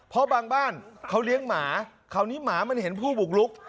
เพราะบางบ้านเขาเลี้ยงหมาคราวนี้หมามันเห็นผู้บุกลุก